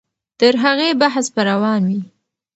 تر هغې بحث به روان وي.